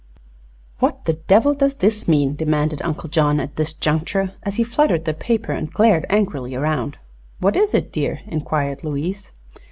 "What the devil does this mean?" demanded Uncle John at this juncture, as he fluttered the paper and glared angrily around. "What is it, dear?" inquired Louise.